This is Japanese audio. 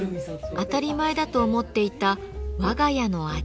当たり前だと思っていた我が家の味。